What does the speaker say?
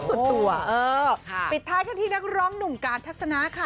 ส่วนตัวเออปิดท้ายกันที่นักร้องหนุ่มการทัศนะค่ะ